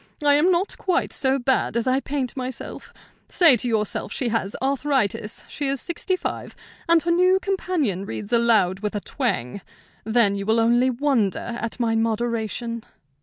I am not quite so bad as I paint myself; say to yourself she has arthritis, she is sixty five, and her new companion reads aloud with a twang; then you will only wonder at my moderation."